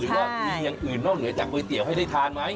ว่ามีอย่างอื่นนอกเหนือจากก๋วยเตี๋ยวให้ได้ทานไหม